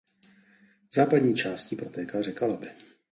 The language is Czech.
Západní částí protéká řeka Labe.